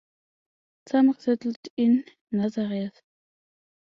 Some resettled in Nazareth.